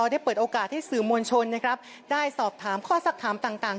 ได้เปิดโอกาสให้สื่อมวลชนได้สอบถามข้อสักถามต่าง